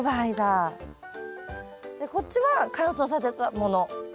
でこっちは乾燥させたもの。